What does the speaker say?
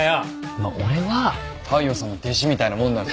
まあ俺は大陽さんの弟子みたいなもんなんで。